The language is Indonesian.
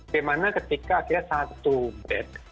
bagaimana ketika akhirnya satu bed